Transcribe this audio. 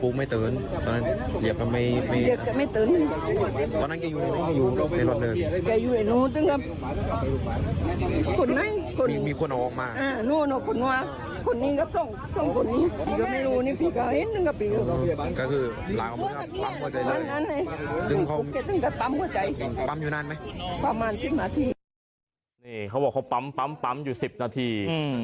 นี่เขาบอกว่าเขาปั๊มปั๊มอยู่๑๐นาที